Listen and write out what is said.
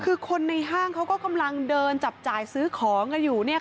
คือคนในห้างเขาก็กำลังเดินจับจ่ายซื้อของกันอยู่